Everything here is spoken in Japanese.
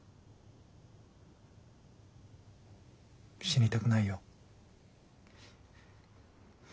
死にたくないよ。